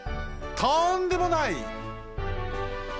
とんでもない！